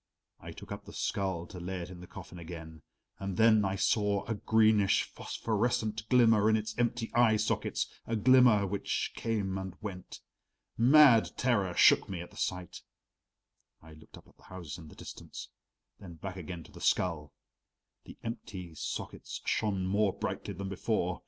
I took up the skull to lay it in the coffin again and then I saw a greenish phosphorescent glimmer in its empty eye sockets, a glimmer which came and went. Mad terror shook me at the sight. I looked up at the houses in the distance, then back again to the skull; the empty sockets shone more brightly than before.